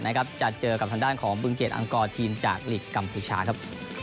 จะเจอกับทางด้านของบึงเกดอังกรทีมจากหลีกกัมพูชาครับ